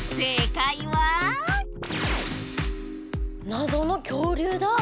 なぞのきょうりゅうだ！